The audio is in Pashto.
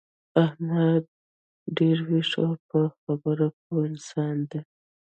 احمد ډېر ویښ او په خبره پوه انسان دی.